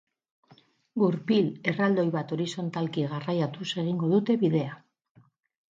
Gurpil erraldoi bat horizontalki garraiatuz egingo dute bidea.